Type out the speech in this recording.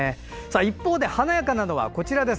一方で華やかなのはこちらです。